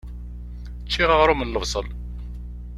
Ččiɣ aɣrum n lebṣel.